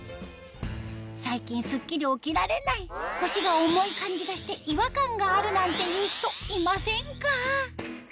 最近スッキリ起きられない腰が重い感じがして違和感があるなんていう人いませんか？